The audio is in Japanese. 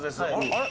「あれ？